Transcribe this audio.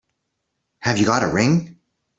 Have you got a ring?